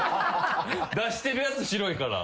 出してるやつ白いから。